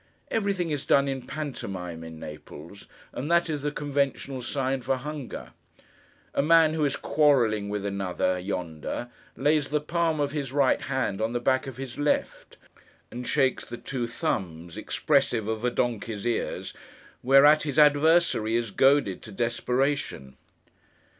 Everything is done in pantomime in Naples, and that is the conventional sign for hunger. A man who is quarrelling with another, yonder, lays the palm of his right hand on the back of his left, and shakes the two thumbs—expressive of a donkey's ears—whereat his adversary is goaded to desperation.